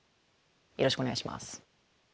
よろしくお願いします。